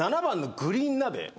７番のグリーン鍋